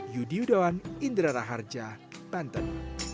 yudi udawan indra raharja tanten